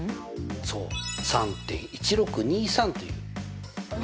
そう３．１６２３っていう値。